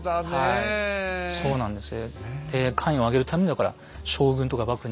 はいそうなんです。